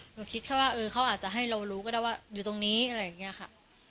หนูคิดแค่ว่าเขาอาจจะให้เรารู้ก็ได้ว่าอยู่ตรงนี้อะไรอย่างนี้ค่ะ